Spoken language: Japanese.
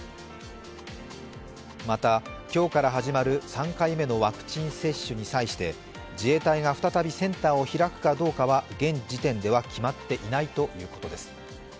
また、今日から始まる３回目のワクチン接種に際して自衛隊が再びセンターを開くかどうかは現時点では決まっていないということです。